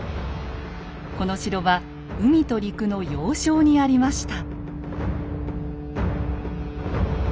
この城は海と陸の要衝にありました。